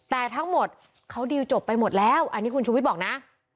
แต่ทั้งหมดเขาดีลจบไปหมดแล้วอันนี้คุณชูวิทย์บอกนะ